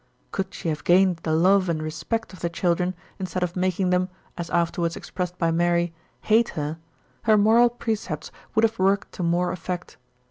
Could she have gained the love and respect of the children instead of making them, as afterwards expressed by Mary, hate her, her moral precepts would have worked to more effect.